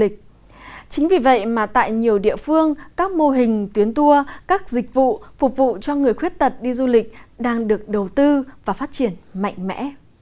chính vì vậy mà tại nhiều địa phương các mô hình tuyến tour các dịch vụ phục vụ cho người khuyết tật đi du lịch đang được đầu tư và phát triển mạnh mẽ